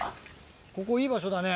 ここいい場所だね。